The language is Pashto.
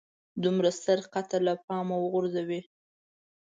دومره ستر قتل له پامه وغورځوي.